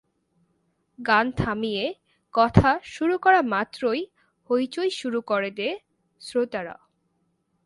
গান থামিয়ে কথা শুরু করা মাত্রই হইচই শুরু করে দেয় শ্রোতারা।